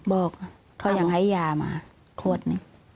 บอกเขายังให้ยามาโคตร